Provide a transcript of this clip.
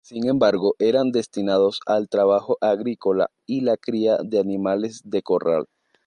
Sin embargo, eran destinados al trabajo agrícola y la cría de animales de corral.